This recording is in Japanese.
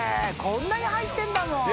こんなに入ってんだもん。